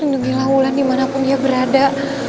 lindungilah wulan dimanapun dia berada